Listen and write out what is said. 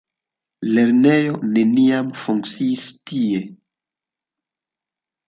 Lernejo neniam funkciis tie.